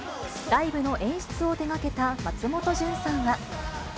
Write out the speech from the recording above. ライブの演出を手がけた松本潤さんは。